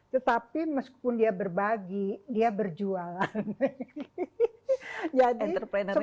tetapi meskipun dia berbagi dia berjualan entrepreneur